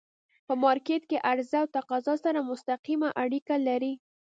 په مارکيټ کی عرضه او تقاضا سره مستقیمه اړیکه لري.